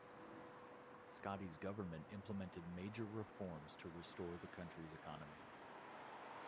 Scotty's government implemented major reforms to restore the country's economy.